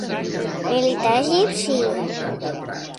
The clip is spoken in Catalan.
Militar egipci.